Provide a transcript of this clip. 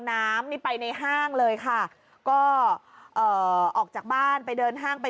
น้ำนี่ไปในห้างเลยค่ะก็เอ่อออกจากบ้านไปเดินห้างไป